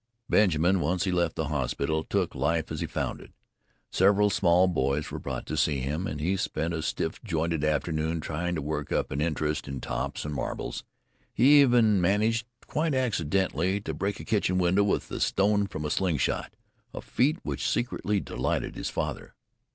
Benjamin, once he left the hospital, took life as he found it. Several small boys were brought to see him, and he spent a stiff jointed afternoon trying to work up an interest in tops and marbles he even managed, quite accidentally, to break a kitchen window with a stone from a sling shot, a feat which secretly delighted his father.